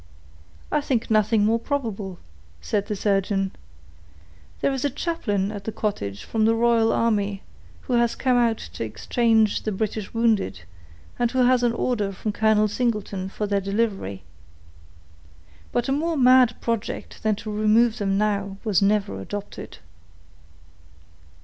"I think nothing more probable," said the surgeon. "There is a chaplain at the cottage from the royal army, who has come out to exchange the British wounded, and who has an order from Colonel Singleton for their delivery. But a more mad project than to remove them now was never adopted."